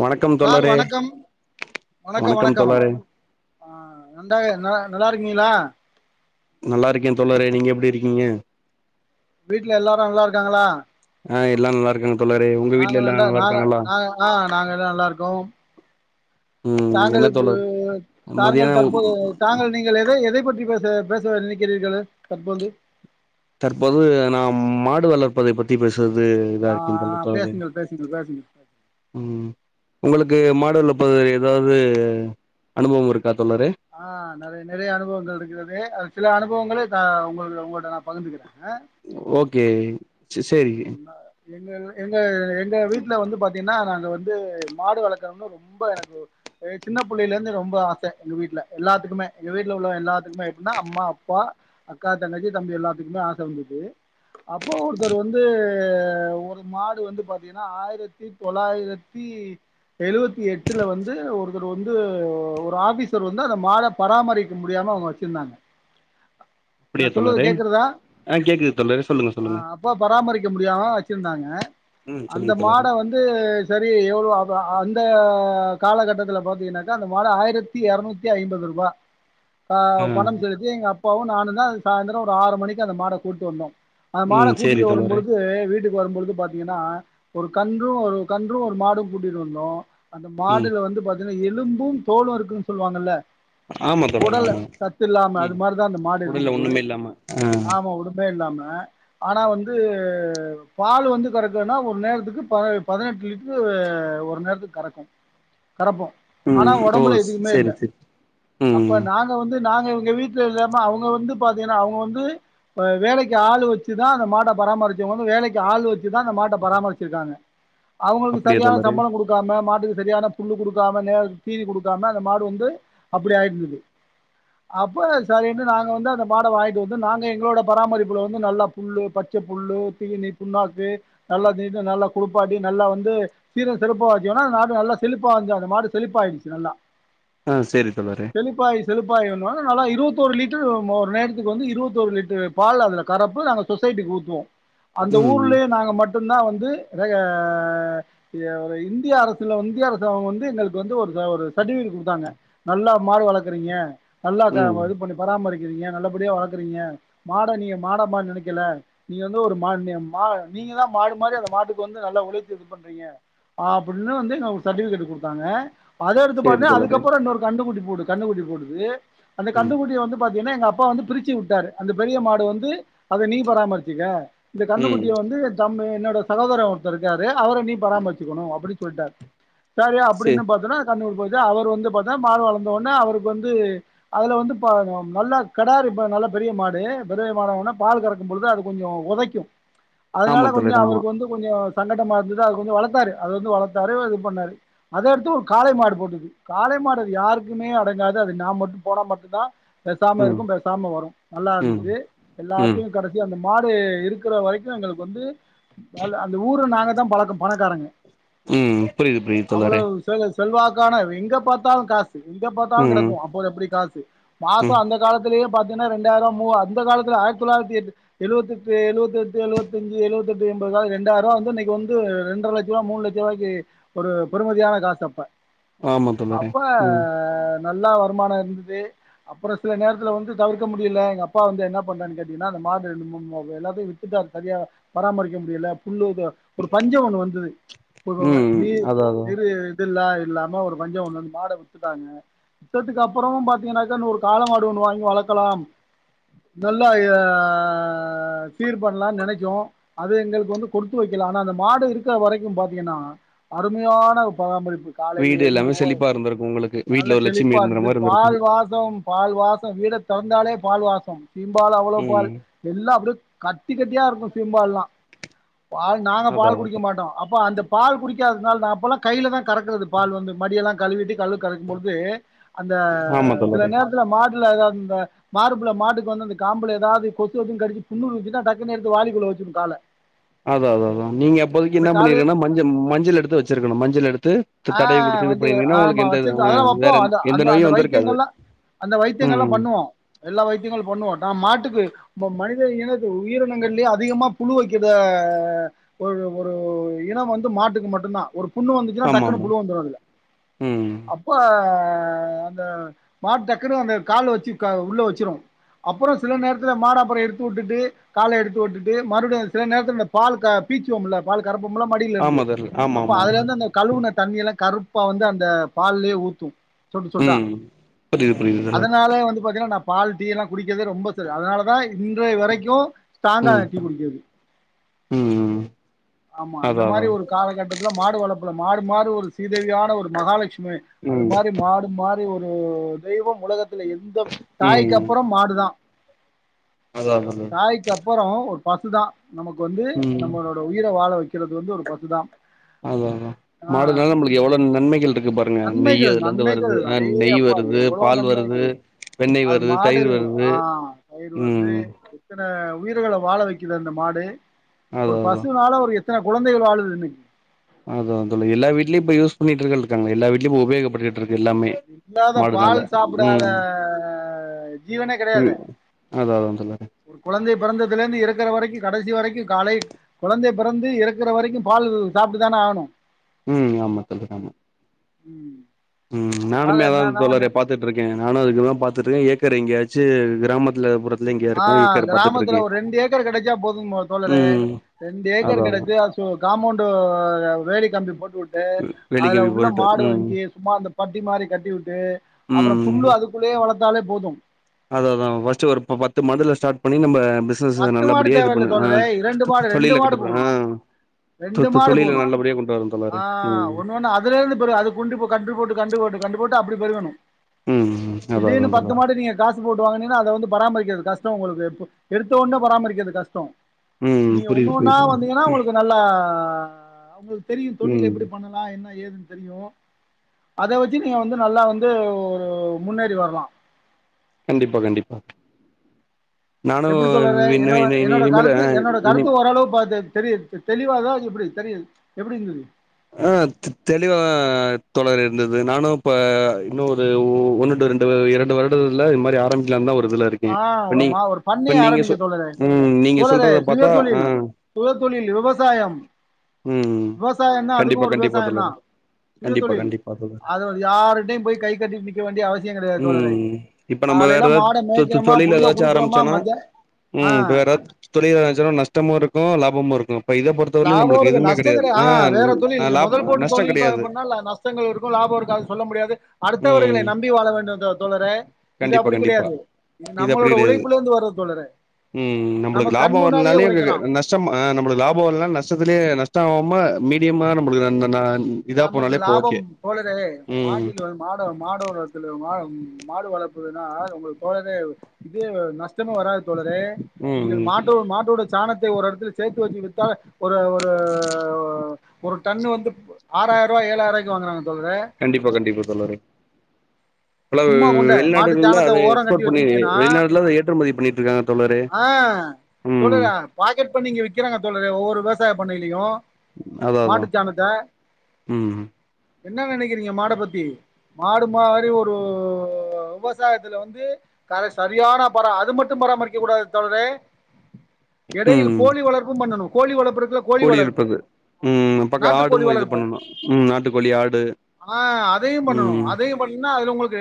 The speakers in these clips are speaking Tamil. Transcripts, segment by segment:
வணக்கம் சார் தோழரே வணக்கம் வணக்கம் வணக்கம் ஆ நண்ட ஆ நல்லா இருக்கீங்களா நல்லா இருக்கேன் தோழரே நீங்க எப்படி இருக்கீங்க வீட்ல எல்லாரும் நல்லா இருக்காங்களா ஆ எல்லா நல்லா இருக்காங்க தோழரே உங்க நாங்க வீட்ல எல்லா நா நல்லா நாங்க இருக்காங்களா நாங்க ஆ நாங்க எல்லாம் நல்லா இருக்கோம் ம் தாங்கள் என்ன தோழர் தாங்கள் மதியான தற்போது தாங்கள் நீங்கள் எதை எதை பற்றி பேச பேச நினைக்கிறீர்கள் தற்போது தற்போது நான் மாடு வளர்ப்பதைப் பத்தி பேச இதா ஆ இருக்கும் தோழரே பேசுங்கள் பேசுங்கள் பேசுங்கள் ம் உங்களுக்கு மாடு பத்தி ஏதாவது அனுபவம் இருக் ஆ நறைய நிறைய அனுபவங்கள் இருக்கிறது அது சில அனுபவங்களே உங்களுக்கு உங்களிட்ட நான் பகிந்துக்கிறே ஆ சேரி எங்கள் எங்கள் எங்க வீட்ல வந்து பாத் திங்கன்னா நாங்க வந்து மாடு வளர்க்கறோம்ன்னனு ரொம்ப எனக்கு சின்ன புள்ளையில இருந்து ரொம்ப ஆசை எங்க வீட்ல எல்லாத்துக்குமே எங்க வீட்ல உள்ள எல்லாத்துக்குமே எப்படின்னா அம்மா அப்பா அக்கா தங்கச்சி தம்பி எல்லாத்துக்குமே ஆசை வந்து [inaudible] அப்போ ஒரு வர் வந்து ஒரு மாடு வந்து பாத்தீங்கன்னா ஆயிரத்தி தொள்ளாயிரத்தி எழுவத்தி எட்டுல வந்து ஒருத்தர் வந்து ஒரு ஆபிசர் வந்து அதை மாட பராமரிக்க முடியாம மா அவுங்க வச்சிருந்தாங்க அப்படியா நான் சொல்றது தோழறே கேக்குறதா? ஆ கேக்குது தோழறே சொல்லுங்க ஆ சொல்லுங்க அப்ப பராமரிக்க முடியாம வச்சிருந்தாங்க ம் அந்த சொல்லுங்க தோழரே மாட வந்து சரி எவ்வளவு அந்த காலகட்டத்துல பாத்தீங்கன்னாக்கா அந்த மாடு ஆயிரத்தி எரநூத்தி ஐம்பது ரூபா ஆ பணம் செலுத்தி எங்க அப்பாவும் நானும் தான் சாயந்திரம் ஒரு ஆறு மணிக்கு அந்த மாட கூட்டு வந்தோம் அந்த மாட ம் சேரி கூட்டிட்டு தோழரே வரும்பொழுது வீட்டுக்கு வரும்பொழுது பார்த் ன்னா ஒரு கன்றும் ஒரு கன்றும் ஒரு மாடும் கூட்டிட்டு வந்தோம் அந்த ம் மாடுல வந்து பாத்தீங்கன்னா எலும்பும் தோளும் இருக்குன்னு சொல்லுவாங்கல்ல ஆமா தோழரே உடல் ஆமா சத்து இல்லாம அது ம் மாரிதான் அந்த மாடு உடல்ல இருந்தது ஒண்ணுமே இல்லாம ஆ ஆமா உடம்பே இல்லாம ஆ ஆனா வந்து பால் வந்து கறக்குன்னா ஒரு நேரத்துக்கு பதினெட்டு லிட்டரு ஒரு நேரத்துக்கு கறக்கு கரப்போம் ஆனா ம் ஓ உடம்புல எதுமே இல்ல சேரி சேரி ம் அப்ப நாங்க வந்து நாங்க இங்க வீட்ல இல்லாம அவங்க வந்து பாத்தீங்கன்னா அவங்க வந்து வேலைக்கு ஆள் வச்சு தான் அந்த மாட்ட பராமரிச்ச வேலைக்கு ஆள் வச்சுதான் அந்த மாட்ட பராமரிச்சிருக்காங்க அவங்களுக்கு அப்டியா சரியான தோழரே சம்பளம் கொடுக்காம மாட்டுக்கு சரியான புல்லு கொடுக்காம நேரத்துக்கு தீனி கொடுக்காம அந்த மாடு வந்து அப்படி ஆயிருந்தது அப்ப சரின்ட்டு நாங்க வந்து அந்த மாட வாங்கிட்டு வந்து நாங்க எங்களோட பராமரிப்புல வந்து நல்லா புல்லு பச்ச புல்லு தீனி புண்ணாக்கு நல்லா தேய்து நல்லா குளிப்பாட்டி நல்லா வந்து சீர செலிப்பாச்சனா நாடு நல்லா செழிப்பா அந்த மாடு செழிப்பாயிச்சு நல்லா ஆ சேரி தோழரே செலுப்பாய் வந்தயுனே நல்லா இருவத்தோரு லிட்டரு ஒரு நேரத்துக்கு வந்து இருவத்தொரு லிட்டரு பால் அதுல கரப்பு நாங்க சொசைட்டிக்கு ஊத்துவோ அந்த ம் ம் ஊர்லேயே நாங்க மட்டும் தான் வந்து ஆ இந்திய அரசல இந்திய அரச வந்து எங்களுக்கு வந்து ஒரு ஒரு சர்டிவிகேட் கொடுத்தாங்க நல்லா மாடு வளர்க்குறீங்க நல்லா ம் இது பண்ணி பராமரிக்கிறீங்க நல்லபடியா வளர்க்குறீங்க மாட நீங்க மாட மாரி நினைக் ல்ல நீங்க வந்து ஒரு மா நீங்க தான் மாடு மாதிரி அந்த மாட்டுக்கு வந்து நல்ல உழைச் இது பண்றீங்க அப்படின்னு வந்து எங்க ஒரு சர்டிவிகேட் கொடுத்தாங்க அத எடுத்து சேரி பாத்து தோழரே அதுக்கப்பறோ இன்னோரு கண்டுக்குடி போடு கண்ணுக்குட்டி போடுது அந்த ம் கண்ணுகுட்டிய வந்து பாத்தீங்கன்னா எங்க அப்பா வந்து பிரிச்சு வுட்டாரு அந்த பெரிய மாடு வந்து அத நீ பராமருச்சுக்க இந்த ம் கண்ணுக்குட்டிய வந்து தம்மு என் னோட சகோதரே ஒருத்தர் இருக்காரு அவர நீ பராமரிச்சுக்கணு அப்டி சொல்ட்டாரு சேரி சே அப்டின்னு பாத்தன்னா கண்ணூர் போய் அவரு வந்து பாத்தா மாடு வளந்தவுட்னே அவருக்கு வந்து அதுல வந்து ப நல்ல கடாரி ப நல்ல பெரிய மாடு பெரிய மாடுவொன்னே பால் கறக்கும் பொழுது அது கொஞ்சோ ஒதைக்கு அதுனால ஆமா கொஞ்சோ தோழரே ஆமா அவருக்கு வந்து கொஞ்சோ சங்கட்டமா இருந்தது அது கொஞ்சோ வளத்தாரு அது வந்து வளத்தாரு இது பண்ணாரு அத அடுத்து ஒரு காளை மாடு போட்டது காளை காளை மாடு அது யாருக்குமே அடங்காது அது நா மட்டு போனா மட்டுந்தா பேசாம ம் இருக்கு பேசாம வரு நல்லா ம் இருந்தது ம் எல்லாத்தையு கடசியா அந்த மாடு இருக்குற வரைக்கு எங்களுக்கு வந்து [unintelligible] அந்த ஊரு நாங்க தா பழக்க பணக்காரங்க ம் புரியுது புரியுது தோழரே அவ்வளவு சேல செல்வாக் கான எங்க பாத்தாலு காசு எங்க பாத்தாலு ம் கெடக்கு அப்போல எப்டி காசு மாசோ ம் அந்த காலத்துலயே பாத் தீகனா ரெண்டாயிரோ மூ அந்த காலத்துல ஆயி தொள்ளாயிரத்தி எட்டு எழுவத்தெட்டு எழுவத்தெட்டு எழுவத்தஞ்சு எழுத்தெட்டு எம்பது கா ரெண்டாயருவா வந்து இன்னக்கு வந்து இரண்ர லட்ச ரூபா மூணு லட்ச ருவாய்க்கி ஒரு பெருமதியான காசு அப்ப ஆமா தோழரே அப்ப ம் நல்லா வருமானொ இருந்தது அப்பறோ சில நேரத்துல வந்து தவிக்க முடியல எங்க அப்பா வந்து என்ன பண்றன் கேட் டிகனா அந்த மாடு ரென்டு மூண் மா எல்லாத்தையு வித்துட்டாரு சரியா பராமரிக்க முடியல புல்லு தொ ஒரு பஞ்சோ ஒன்னு வந் தது பொதுவாக ம் நீர் அதா அதா நீரு இது இல்ல இல்லாம ஒரு பஞ்சோ ஒண்ணு வந் மாட வித்துட்டாங்க வித்ததுக் அப்பறமு பாத்தீங்கன்னாக்கா இன்னொ ஒரு கால மாடு ஒன்னு வாங்கி வளக்கலாம் நல்லா த ஆ ஆ சீர் பண்லானு நெனைக்கு அது எங்களுக்கு வந்து குடுத்து வைக்கலா ஆனா அந்த மாடு இருக்குற வரைக்கு பாத்தீங்கன்னா அ அருமையான பராமரிப்பு காலேல வீடு எல்லாமே எழுந்துறுவோ செழிப்பா இருந்திருக்கு உங்களுக்கு நல்ல வீட்ல ஒரு லட்சுமி செழிப்பா இருந்தற இருன்ச்சு மாரி இருந்திருக்கு பால் வாசோம் பால் வாசோம் வீட தொறந்தாலே பால் வாசோ சீம்பால் அவ்வளோ பால் ம் எல்லா அப்டியே கட்டி கட்டியா இருக்கு சீம்பால்லா பால் நாங்க அதா பால் குடிக்க அதா மாட்டோ அப்ப அந்த பால் குடிக்காததுனால நா அப்பல்லா கையில தா கறக்குறது பால் வந்து மடியெல்லா கழுவிட்டு கல்லு கறக்கும்பொழுது அந்த ஆமா சில தோழரே நேரத்துல மாடுல அது அந்த மாற்புல மாட்டுக்கு வந்து அந்த காம்புள ஏதாவது கொசுவந்து கடுச்சு புண்ணு வன்சுனா டக்குனு எடுத்து வாலி குள்ள வச்சுறு கால அதா அதா அதா நீங்க அப்போதிக்கி என்ன காலு பண்ணிருகனுனா மஞ்ச மஞ்சள் எடுத்து வச்சுருக்கணு மஞ்சள் எடுத்து த தடை ஆ தடவி குடுத்து இது வண்டியில பண்ணீர்ந்தீங்கன்னா ஆமா ஒங்களுக்கு எந்த இது வச்சிருக்கோம் அ அதெல்லாம் வைப்போம் வேற அந்த எந்த அந்த நோயு அந்த வந்து இருக்காது வைத்தியங்கள்லாம் அந்த வைத்தியங்கல்லா பண்ணுவோ எல்லா வைத்தியங்களு பண்ணுவோ நா மாட் டுக்கு மனித இன உயிரினங்கள்லே அதிகமா புழு வைக்கிற ஒரு ஒரு ஒ இன வந்து மாட்டுக்கு மட்டுந்தா ஒரு புண்ணு வந்துச்சுன்னா ஆமா டக்குன்னு ஆமா புழு வந்துரு அதுல ம் அப்ப அ அந்த மாடு டக்குனு அந்த கால் வச்சு க உள்ள வச்சுரு அப்பறோ சில நேரத்துல மாடு அப்பற எடுத்து வுட்டுட்டு கால எடுத்து வுட்டுட்டு மறுபடியு சில நேரத்துல பால் க பீச்சுவோம்ல பால் கறப்பமுல மடில இருந்து ஆமா தோழி ஆமா அப்ப ஆமா அதுல ஆமா இருந்து அந்த கழுவுண தண்ணி எல்லா கருப்பா வந்து அந்த பால்லயே ஊத்து சொட்டு சொட்டா ம் புரியுது புரியுது தோழர் அதுனாலயே வந்து பாத்தீங்கன்னா நா பால் டீ எல்லா குடிக்கிறது ரொம்ப சரி அதுனாலதா இன்றைய வரைக்கு ம் ஸ்ட்ராங்கான டீ குடிக்கிறது ம் ம் ஆமா அந்த அதா அதா மாரி ஒரு காலகட்டத் துல மாடு வளப்புல மாடு மாரி ஒரு சீதேவியான ஒரு மகாலட்சுமி அது ம் மாரி மாடு மாரி ஒரு தெய்வம் உலகத்துல எந்த தாய்க்கு ம் அப்பறோ மாடுதா அதா அதா தோழர் தாய்க்கு அப்பறோ ஒரு பசுதா நமக்கு வந்து ம் நம்மளோட உயிர வாழ வக் கிறது வந்து ஒரு பசுதா அதா அதா ஆ மாடுனால நம்மளுக்கு எவ்ளோ நன்மைகள் இருக்கு பாருங்க நெய் நன்மைகள் அதுல இருந்து நன்மைகள் வருது அ அடே நெய் அப்பா வருது எவ்ளோ பால் வருது நன்மைகள் வெண்ணெய் அது வருது மாடு தயிர் வருது ஆ வருது ம் எத்தன உயிர்கள வாழ வைக்கிது அந்த மாடு ஒரு அதா அதா பசுனால ஒரு எத் எத்தன கொழந்தைகள் வாழுது இன்னைக் அதா அதுல்ல எல்லா வீட்லையு இப்ப யூஸ் பண்ணிட்ருக்கன் இருக்காங்ளே எல்லா வீட்லயு உபேய்கப்பட்டுட் ட்ருக்கு எல்லாமே இல்லாத மாடுனால பால் சாப்பிடாத ம் ஜீவனே கெடையாது ம் அதா அதா தோழரே பொறந்தத்லிருந்து இறக்கற வரைக்கு கடைசி வரைக்கு காலை கொழந்தை பிறந்து இறக்குற வரைக்கு பால் சாப்ட்டுதான ஆணு ம் ஆமா சொல்லுங்க ஆமா ம் ம் அதனால நானுமே அதா என்னன்னா வந்து தோழரே பாத்துட்ருக்கே நானு அதுக்குதா பாத்துட்ருக்கே ஏக் கர் எங்கேயாச்சு கிராமத்துல பொற ஆ கிராமத்துல ஒரு ரெண்டு ஏக்கர் கெடச்சா போதும்மா தோழரே ம் ரெண்டு ஏக்கர் அதா அதா கெடச்சா சோ காம்போண்டு வேலி கம்பி போட்டுட் டு அதுல வேலைக்கிழவி உள்ள போறட்டு மாடு ம் வாங்கி சும்மா அந்த பட்டி மாரி கட்டி வுட்டு அப்றோ புல்லு அதுக்குள்ளயே வளத் தாலே போது அத அதா ஃபஸ்ட் ஒரு ப பத்து மாடுல ஸ்டாட் பண்ணி நம்ப பிஸ்னஸ பத்து மாடு நல்லபடியா இது தேவயில்ல பண்ணு அ தோழரே இரண்டு தொ தொ மாடு ரெண்டு தொழில மாடு கட்டுப்பறே போது ஆ ரெண்டு மாடு போது ஆ ம் ஒன்னு ஒன்னா அதுலருந்து பெரு அது குண்று போ கண்று போட்டு கண்டு போட்டு கண்டு போட்டு அப்டி பெருகனு ம் ம் அதா திடீர்னு அதா பத்து தோழரே மாட்ட நீங்க காசு போட்டு வாங்குனிங்னா அத வந்து பராமரிக்கிறது காஸ் சு உங்களுக்கு இப்போ எடுத்த ஓனே பராமரிக்கிறது கஷ்டோ ம் நீங்க ஒண்ணு புரியுது ஒன்னா புரியுது வந்தீங்கனா உங்களுக்கு நல்லா அவுங்களுக்கு தெரியு தொழில் ம் எப்டி பண்ணலா என்ன ஏதுன் தெரியு அத வச்சி நீங்க வந்து நல்லா வந்து ஒரு முன்னேறி வரலா கண்டிப்பா கண்டிப்பா நானு எப்டி தோழரே இனி என்னோட இனி என்னோட இனிமேல கருத்து என்னோட இனி கருத்து ஓரளவு பாத்து தெரியிது தெ தெளிவாதா இப்டி தெரியிது எப்டி இருந்தது ஆ தெ தெளிவா தோழர் இருந்தது நானூப்ப உன்னு ஒரு ஒன்னு டு ரெண்டுவு இரண்டு வருடத்துல இந்மாரி ஆரமிக்கலாந்தா ஒரு இதுல இருக்கே ஆ இப்ப ஒரு நீ மா ஒரு இப்ப பண்ணைய நீங்க ஆரம்பிக்க சொல் தோழரே ம் நீங்க சொல்றத பாத்தா ஆ போர் தொழில் விவசாயம் ம் விவசாயனா அதுக்கு கண்டிப்பா ஒரு கண்டிப்பா விவசாயதா தோழர் சுய கண்டிப்பா தொழில் கண்டிப்பா தோழர் அத வந் யாருட்டையு போய் கை கட்டி நிக்க வேண்டிய அவசிய கெடையாது தோழரே ம் இப்ப நம்ம வேற காலைல ஏதாவது மாட தொ தொ மேய்கிரம் தொழில் ஏதாச்சு ஆரம்ச்சோனா ஆ ம் இப்ப வேற தொழில் ஆரச்சோனா நஷ்டமு இருக்கு லாபமு இருக் லாபோருக்கு நஷ்ட கெடையா ஆ வேற தொழில் ஆ லாப் மொதல் போட்டு நஷ்ட தொழில் ப கெடையாது பண்ணால் அ நஷ்டங்கள் இருக்கு லாபோ இருக்கு அத சொல்ல முடியாது ம் அடுத்தவர்களை நம்பி வாழ வே ண்டா தோ தோழரே இது கண்டிப்பா அப்டி கண்டிப்பா கெடையாது இது அப்டி நம்மளோட கெடையாது உழைப்புலந்து வர்ர தோழரே ம் நம்பளுக்கு நம்ம லாபோ கண் முன்னாடியே வரனாலே க க உழைக்கலா நஷ்டம் அ நம்மளுக் லாபோ லா நஷ்டத்திலியே நஷ்ட ஆவாம மீடியமா நம்புளுக்கு த ந நா நமக்கு லாபம் தோழரே ம் மாட்டிலோன் மாடோ மாடோலத்துல மா மாடு வளர்ப்புனா உங்களுக் தோழரே இது நஷ்டமே வராது தோழரே நீங்க ம் மாட்டோ மாட்டோட சாணத் த ஒரு எடத்துல சேத்து வச்சு வித்தா ஒரு ஒரு ஒரு டன்னு வந்து ஆறாயிரூவா ஏலாய்ரூவாய்க்கு வாங்குறாங்க தோழரே கண்டிப்பா கண்டிப்பா தோழரே இப்பல்லா சும்மா கொண்ட மாட்டு வெளிநாடுகள்ல அத சாணத்த ஓரம் எக்ஸ்போட் கட்டி பண்ணி வச்சிருந்தீங்கன்னா வெளிநாடுல அத ஏற்றுமதி பண்ணிட்ருக்காங்க தோழரே ஆ ம் சொல்லுங்க பாக்கெட் பண்ணி இங்க விக்கிறாங்க தோழரே ஒவ்வொரு விவசாய பண்ணையிலையு அதா அதா மாட்டுச் சாணத்த ம் என்ன நெனைக்கிறீங்க மாட பத்தி மாடு மாரி ஒரு சோ விவசாயத்துல வந்து கர சரியான அப்பறோ அது மட்டு பராமரிக்கக் கூடாது தோழரே எடையில் ம் கோழி வளர்ப்பும் பண்ணணு கோழி வளர்ப் கோழி இருப்பது ம் பக்கொ நாட்டுக்கோழி ஆடும் இது பண்ணணு ம் நாட்டுக்கோழி ஆடு ஆ அதையும் பண்ணனு ம் அதையு பண்ணுனா அதுல உங்களுக்கு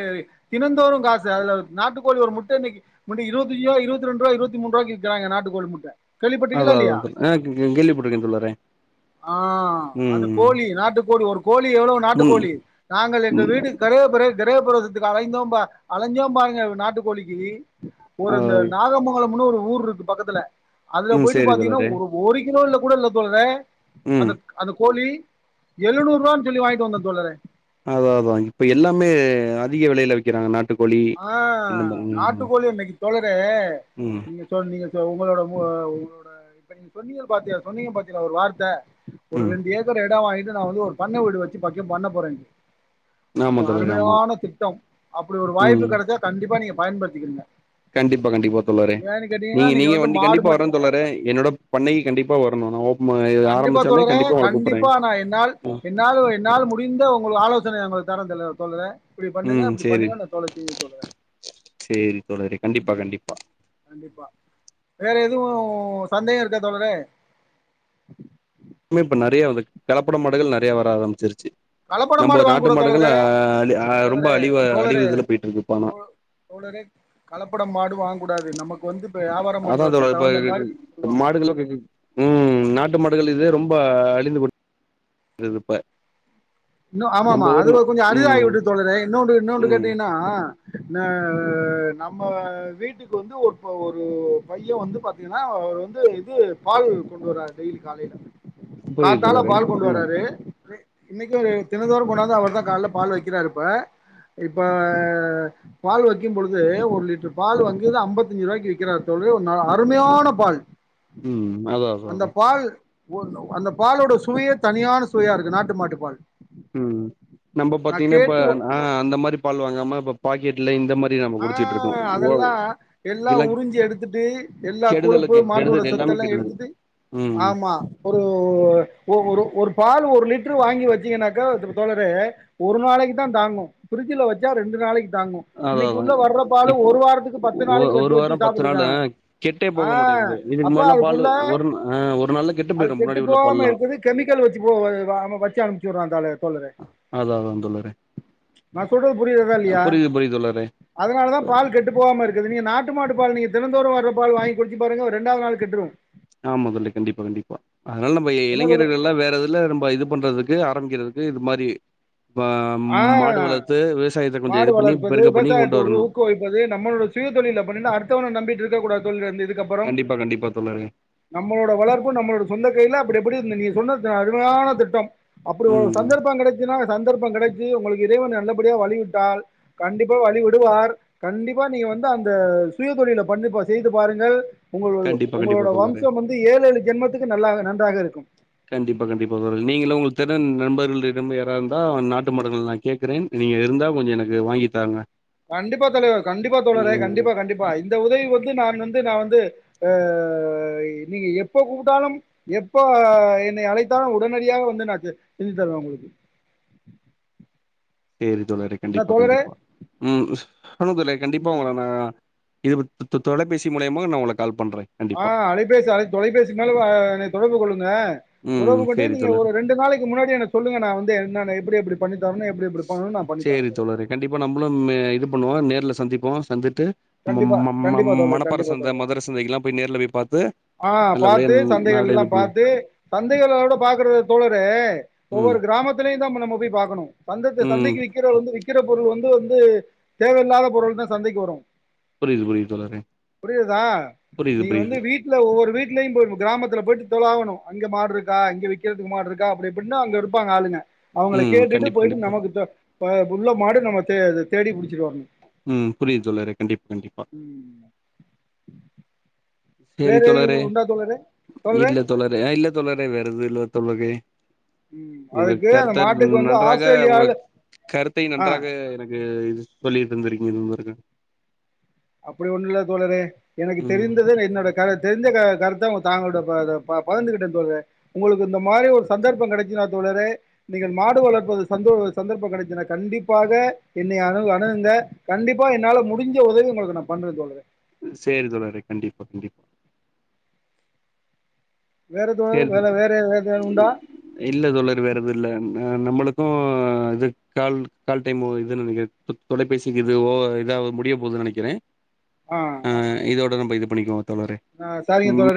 தினந்தோறும் காசு அதுல நாட்டு கோழி ஒரு முட் ட்ட இனைக்கு மட்டு இருவத்தஞ்ஜிருவா இருவத்ரெண்ட்ரூவா இருவத்தி மூன்றுவாய்க்கு விக்கிறாங்க நாட்டு கோழி முட்ட அதா கேள்விப்பட்டிருக்கீங்களா அதா இல்லையா தோழி ஆ க கேள்வி பட்ருக்கே தோழரே ஆ அந்த ம் கோழி நாட்டு கோழி ஒரு கோழி எவ்வளோ நாட்டு ம் கோழி நாங்க எங்க வீட்டு கிரஹபிரவே கிரகபிரவேசத்துக்கு அலைந்தோம் பா அலைஞ்சோம் பாருங்க நாட்டு கோழிக்கி ஒரு ந நாகமங்கலம்னு ஒரு ஊருருக்கு பக்கத்துல அதுல ம் போயிட்டு சேரி பாத்தீங்கன்னா தோழரே ஒரு ஒரு கிலோல கூட இல்ல தோழரே ம் அந்த அந்த கோழி எழுநூரூவானு சொல்லி வாய்ண்டு வந்தே தோழரே அத அதா இப்ப எல்லாமே அதிக வெலையில விக்கிறாங்க நாட் ஆ நாட்டு கோழி இன்னைக்கு தோழரே ம் நீங்க சொ நீங்க சொ உங்களோட உங்களோட உங்களோட இப்ப நீங்க சொன்னீங்கள் பாத்திக சொன்னீங்க பாத்தீங்களா ஒரு வார்த்த ஒரு ம் ரெண்டு ஏக்கர் எடொ வாங்கிட் டு நா வந்து ஒரு பண்ண வீடு வச்சு பக்கெ பண்ண போறேனு அது ஆமா தோழரே ஆமா அருமையான திட்டம் அப்படி ஒரு வாய்ப் ம் கண்டிப்பா நீங்க பயன்படுத்திக்கிரிங்க கண்டிப்பா கண்டிப்பா தோழரே நீங்க நீங்க வந்து வண்டி மாடு கண்டிப்பா மட்டு வரனு தோழரே என்னோட பண்ணைக்லேஏஸ கண்டிப்பா வரணும் ந கண்டிப்பா தோழரே கண்டிப்பா நா என்னால் ம் என்னால என்னால முடிந்த உங்களுக்கு ஆலோ சனை நா உங்களுக்கு தர தோழ தோழரே இப்படி பண்ணுங்க ம் அப்படி சேரி பண்ணுங்க நா தொலச்சி சொல்லுறே சேரி தோழரே கண்டிப்பா கண்டிப்பா கண்டிப்பா வேற எதுவு சந்தேகொ இருக்கா தோழரே ல்ல இப்ப நெறய வந்து கலப்பட மாடுகள் நெறயா வர ஆரம்பிச்சிருச்சு. கலப்பட நம்பொ மாடு வாங்க நாட்டு கூடாது மாடுகள் தோழரே அ அ ரொம்ப தலைவரே அழிவு அழிவு தோழரே இதுல போயிட்டுருக்கு இப்போ ஆனா தோழரே கலப்பட மாடு வாங்க்குடாது நமக் அதான் தோழரே இப்ப சொல்லுவாங்க மாடுகள்லா ம் நாட்டு மாடு ள்களிலே ரொம்ப அழிந்து கொண் [inaudible] க்கிரது இப்ப இன்னு நம்ப ஆமாமா ஊர் அது ஒ கொஞ்சொ ம் அரிதாகிவிட்டது தோழரே இன்னோண்டு இன்னோனண்டு ம் கேட்டீங்கன்னா ந நம்ம வீட்டுக்கு வந்து ஒரு ஒரு பைய வந்து பாத்தீங்கன்னா அவர் வந்து இது பால் கொண்டு வராரு டெய்லி காலைல புரியுது காத்தால தோழரே பால் கொண்டு ம் வராரு. இல்லணே தினந்தோறு கொண்டாந்து அவர்தா கால்ல பால் வைக்கிறாரு ப்ப இப்ப பால் வைக்கும்பொழுது ஒரு லிட்டர் பால் வாங்குது அம்பத்தஞ்சு ரூபாய்க்கு விக்கிறாரு தோ [unintelligible] அருமையான பால் ம் அதா அதா அதா ஓனு அந்த பாலோட சுவையே தனியான சுவையாருக்கு நாட்டு மாட்டு பால் ம் நம்ப நா பாத்தீங்கன்னா இப்ப கேட்டு அன் அ அந்த மாரி பால் வாங்காம ப பாக்கெட்ல இந்த மாரி நம்ம குடிச்சுட்டுருக்கோ ஒ வ எல்லா உறிஞ்சி எடுத்துட்டு எல்லா கொழுப்பு கெடுதலுக்கு மாட்டோட கெடுதல் எல்லாமே சத்தலா கெடுதல் எடுத்துட்டு ம் ஆமா ஒரு ஒ ஒரு ஒரு பால் ஒரு லிட் ட்ரு வாங்கி வச்சிங்கன்னாக்க அது தோழரே ஒரு நாளைக்குதா தாங்கு பிர்ஜ்ல வச்சா ரெண்டு நாளைக்கு தாங்கு அதா இன்னைக்கு அதா உள்ள வர்ர பால இப்போ ஒரு வாரத்துக்கு பத்து ஒ நாளைக்கு ஒரு வச்சு வாரோ வச்சு பத்து நாளு சாப்ட்டுட்ருக்குறாங்க கெட்டே ஆ போக அ மாட்டேங்குது இதுக்கு அப்ப முன்னாடிலா பால் அதுக்குள்ள ஒரு ஆ ஒரு நாள்ல அது போயிரு கெட்டு முன்னாடி உள்ள போகாம பால்லா இருக்கது கெமிக்கல் வச்சு போ வரு வ அவ வச்சு அனுப்ச்சு வுடு அதா அதா தோழே நா சொல்றது புரியுதாகா இல்லியா புரியுது புரியுது தோழரே அதனாலதா பால் கெட்டு போகாம இருக்குது நீங்க நாட்டு மாட்டு பால் நீங்க தினந்தோறு வர பால் வாங்கி குடிச்சு பாருங்க ஒர் ரண்டாவது நாள் கெட்டுரு ஆமா தோழி கண்டிப்பா கண்டிப்பா அதனால நம்ம என்ன சொல்ல இளைஞர்கள்லா வேறதுல நம்ம இது பண்றதுக் கு ஆரம்பிக்கிரதுக்கு இது மாரி அ ஆ மாடு வளர்த்து விவசாயத்த கொஞ்ச மாடு இது பண்ணி வளர்ப்பது பெருக பண்ணி விவசாயத்தை கொண்டு ஒரு வரணு ஊக்குவிப்பது நம்மளோட சுய தொழில பண்ணுனா அடுத்தவன நம்பிட்ருக்ககூடாது தோழரே இந்த அதுகப்றம் கண்டிப்பா கண்டிப்பா தோழரே நம்மளோட வளர்ப்பு நம்மளோட சொந்த கைல அப்டி அப்டி நீ சொன் து அருமையான திட்டம் அப்டி ஒரு ம் சந்தர்ப்ப கெடைச்சினா சந்தர்ப்ப கெடைச் சி உங்களுக்கு இறைவன் நல்லபடியாக வழி விட்டால் கண்டிப்பா வழி விடுவார் கண்டிப்பா நீங்க வந்து அந்த சுயதொழில பண்ணி பாரு செய்து பாருங்கள் உங்களது கண்டிப்பா கண்டிப்பா உங்களோட தோழரே வம்சம் வந்து ஏழேழு ஜென்மத்துக்கு நல்லாக நன்றாக இருக்கும் கண்டிப்பா கண்டிப்பா தோழ நீங்களு உங்க திறன் நண்பர்களிடம் யாரா இந்தா நாட்டு மடங்கள் நா கேக்கறேன் நீங்க இருந்தா கொஞ்ச எனக்கு வாங்கிதாங்க கண்டிப்பா தலை கண்டிப்பா தோழரே கண்டிப்பா கண்டிப்பா இந்த உதவி வந்து நான் வந்து இது நா வந்து அ நீங்க எப்ப கூப்புட்டாலும் எப்போ என்னை அழைத்தா தாலு உடனடியாக வந்து நா செ செஞ்சுதருவ உங்களுக்கு [inaudible] சேரி தோழரே என்ன கண்டிப்பா தோழரே? கண்டிப்பா ம் ஆமா தோழை கண்டிப்பா ம். உங்கள நா இது இப தொ தொ தொலைபேசி மூலியமா நா உங்ளுக்கு கால்ப் ஆ அலைபேசி அலை தொலைபேசினாலு அ எனை தொடர்பு கொள்ள ந ம் தொடர்பு கொண்டு சேரி நீங்க தோழரே ஒரு ரெண்டு நாளைக்கு முன்னாடி எனக்கு சொல்லுங்க நா வந்து என்னனு எப்டி எப்டிப் சேரி தோழரே கண்டிப்பா நம்மளும் மே இது பண்ணுவோ நேர்ல சந்திப்போ சந்துட்டு மம் கண்டிப்பா, மம் ம கண்டிப்பா தோழரே. மணப்பார கண்டிப்பா தோழரே. சந்த மதுர சந்தைக்குலா போய் நேர்ல போய் பாத்து. ஆ நல்லபடியா பாத்து நாடு இது சந்தைகள்லாம் பண்ணுவோ பாத்து சந்தைகளோட பாக்கறது தோழரே ம் ஒவ்வொரு கிரா கிராமத்துலியுந்தா நம்ம போய் பாக்கணு அந்தந்த ம் சந்தைக்கு விக்கிற வந்து விக்கிற பொருள் வந்து வந்து தேவயில்லாத பொருள்தா சந்தைக்கு வரு புரியுது புரியுது தோழரே புரிதா புரியுது நீங்க வந்து புரியுது வீட்ல ஒவ்வொரு வீட் இல்லைங்க ப்ரோ கிராமத்தில போயிட்டு தொலாவுணு அங்க மாடுருக்கா இங்க விக்கிறதுக்கு மாடுருக்கா அப்டி இப்டின்னு அங்க இருப்பாங்க ஆளுங்க. அவுங்களை ம் கேட்டுட்டு கண்டிப்பா போயிட்டு கண்டிப்பா தோழரே. நமக்கு த ப புல்லா மாடு நம்ம தே அது தேடி புடிச்சிட்டு வரணு ம் புரிது தோழரே கண்டிப்பா கண்டிப்பா. ம் சேரி வேற தோழரே எதுவும் உண்டா தோழரே இல்ல தோழரே அ இல்ல தோழரே வேறெது இல்ல தோழரே ம் உங்க அதுக்கு அந்த கருத்த மாட்டுக்கு வந்து நன்றாக உங்க ஆஸ்திரேலியால கருத்தை ஆ நன்றாக எனக்கு இது சொல்லிடு [unintelligible] அப்டி ஒன்னுல்ல தோழரே எனக்கு ம் தெரிந்தது என்னோட கத தெரிஞ்ச க கருத்த உங்க தாங்களோட பத ப பகிந்துகிட்டே தோழரே உங்களுக்கு இந்த மாரி ஒரு சந்தர்பம் கெடைச்சி தா தோழரே நீங்கள் மாடு வளர்ப்பது சந்தோ சந்தர்ப்ப கெடைச்சுனா கண்டிப்பாக என்னை அணுகு அணு இந்த கண்டிப்பா என்னால முடிஞ்ச உதவி உங்களுக்கு நா பண்ற தோழரே. சேரி தோழரே கண்டிப்பா கண்டிப்பா. வேற தோழரே சேரி து வேற வேற வேற எதாவது உண்டா இல்ல தோழரே வேறெதுல்ல. அ நம்மளுக்கு இது கால் கால் டைமு இது நெனைக்கிறே தொலைபேசிக்கு இது ஓ இதா அவு முடிய போது நெனைக்கிறே ஆ ஒட இது பண்ணிக்குவோ தோழரே ஆ சாரிங்க தோழரே